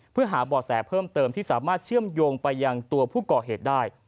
เพื่อหาบ่อแสเพิ่มเติมที่สามารถเชื่อมโยงไปยังตัวผู้ก่อเหตุได้